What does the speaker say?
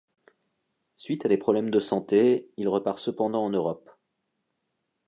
Suite à des problèmes de santé, il repart cependant en Europe.